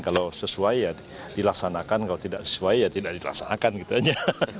kalau sesuai ya dilaksanakan kalau tidak sesuai ya tidak dilaksanakan gitu aja